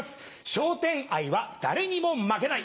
笑点愛は誰にも負けない。